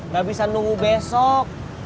gak bisa nunggu besok